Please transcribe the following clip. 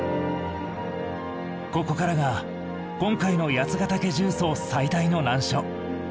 ここからが今回の八ヶ岳縦走最大の難所。